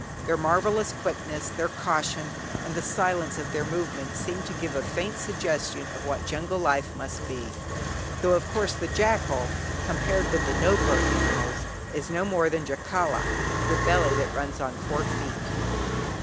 Their marvellous quickness, their caution, and the silence of their movements seemed to give a faint suggestion of what jungle life must be, though, of course, the jackal compared with the nobler animals, is no more than "Jacala, the belly that runs on four feet."